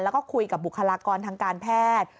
แล้วก็คุยกับบุคลากรทางการแพทย์